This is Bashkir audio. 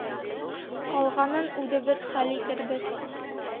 Ҡалғанын үҙебеҙ хәл итербеҙ.